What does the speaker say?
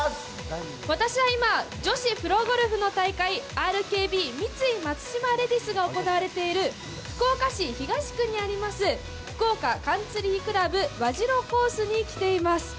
私は今、女子プロゴルフの大会、ＲＫＢ×三井松島レディスが行われている、福岡市東区にあります、福岡カンツリー倶楽部和白コースに来ています。